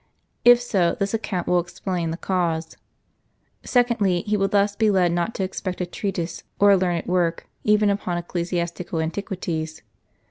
If so, this account will explain the cause. Secondly, he will thus be led not to expect a treatise or a learned work even upon ecclesiastical antiquities.